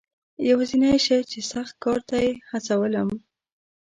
یوازنی شی چې سخت کار ته یې هڅولم.